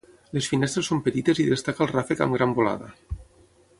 Les finestres són petites i destaca el ràfec amb gran volada.